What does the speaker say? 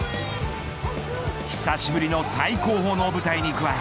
久しぶりの最高峰の舞台に加え